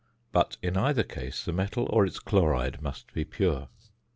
But in either case the metal or its chloride must be pure.